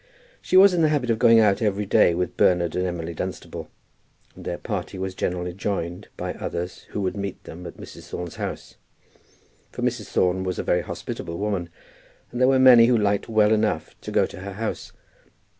She was in the habit of going out every day with Bernard and Emily Dunstable, and their party was generally joined by others who would meet them at Mrs. Thorne's house. For Mrs. Thorne was a very hospitable woman, and there were many who liked well enough to go to her house.